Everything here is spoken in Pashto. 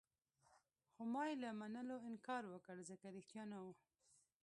خو ما يې له منلو انکار وکړ، ځکه ريښتیا نه وو.